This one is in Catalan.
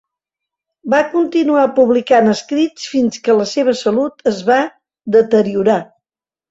Va continuar publicant escrits fins que la seva salut es va deteriorar.